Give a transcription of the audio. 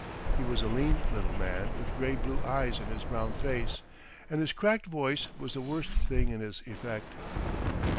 He was a lean little man with grey blue eyes in his brown face, and his cracked voice was the worst thing in his effect.